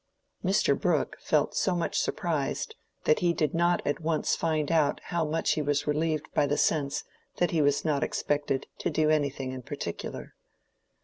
Mr. Brooke felt so much surprised that he did not at once find out how much he was relieved by the sense that he was not expected to do anything in particular.